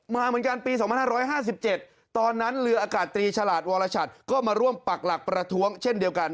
มาเหมือนกันปี๒๕๕๗ตอนนั้นเรืออากาศตรีฉลาดวรชัดก็มาร่วมปักหลักประท้วงเช่นเดียวกัน